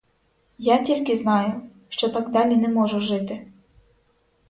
Я тільки знаю, що так далі не можу жити.